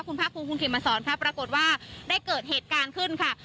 คุณภาคภูมิคุณเขมมาสอนค่ะปรากฏว่าได้เกิดเหตุการณ์ขึ้นค่ะ